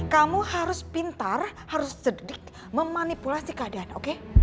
kamu harus pintar harus sedih memanipulasi keadaan oke